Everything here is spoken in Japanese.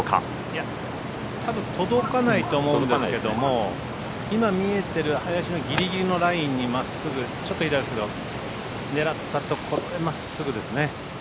いや、たぶん届かないと思うんですけども今、見えてる林のぎりぎりのラインにまっすぐ、ちょっと左ですけど狙ったところへまっすぐですね。